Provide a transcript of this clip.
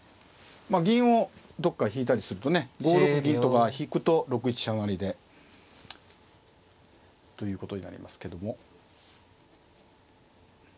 まあ銀をどっかへ引いたりするとね５六銀とか引くと６一飛車成で。ということになりますけども。